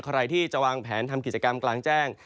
ใครที่จะวางแผนทำกิจกรรมกลางแจ้ง